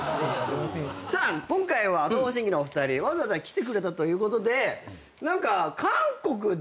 さあ今回は東方神起のお二人わざわざ来てくれたということで何か。